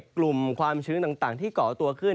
กลุ่มความชื้นต่างที่ก่อตัวขึ้น